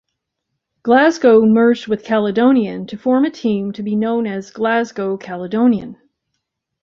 Glasgow merged with Caledonian to form a team to be known as Glasgow Caledonian.